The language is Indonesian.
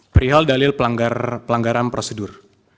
perihal dalil pelanggaran prosedur